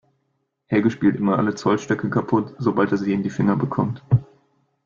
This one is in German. Helge spielt immer alle Zollstöcke kaputt, sobald er sie in die Finger bekommt.